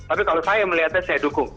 tapi kalau saya melihatnya saya dukung